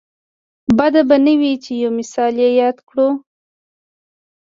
بده به نه وي چې یو مثال یې یاد کړو.